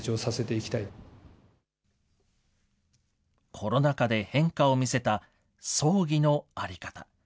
コロナ禍で変化を見せた葬儀の在り方。